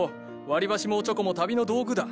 割り箸もおちょこも旅の道具だ。